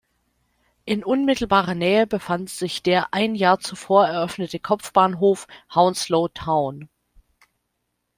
In unmittelbarer Nähe befand sich der ein Jahr zuvor eröffnete Kopfbahnhof Hounslow Town.